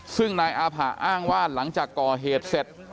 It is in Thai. ซึ่งนายอาผะอ้างว่าหลังจากก่อเหตุเสร็จ